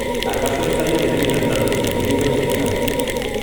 Akaso ez zaie denei gertatu baina niri bai behintzat.